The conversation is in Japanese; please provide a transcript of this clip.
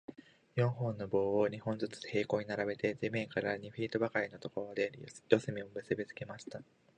四本の棒を、二本ずつ平行に並べて、地面から二フィートばかりのところで、四隅を結びつけました。